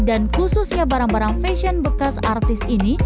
dan khususnya barang barang fashion bekas artis ini